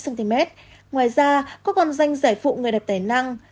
ngoài ra cô còn danh giải phụ người đẹp tài năng